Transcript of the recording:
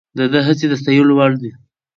د ده هڅې د ستایلو وړ دي.